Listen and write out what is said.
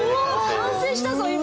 完成したぞ今！